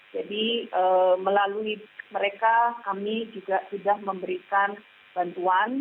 jadi melalui mereka kami juga sudah memberikan bantuan